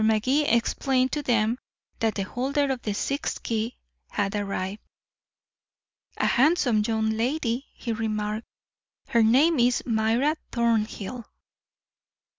Magee explained to them that the holder of the sixth key had arrived. "A handsome young lady," he remarked; "her name is Myra Thornhill."